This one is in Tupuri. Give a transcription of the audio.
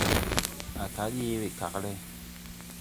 Á kal yee wekag lɛ.